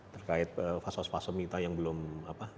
terkait fasos fasom kita yang belum apa